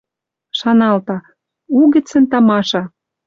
Шаналта: «Угӹцӹн тамаша!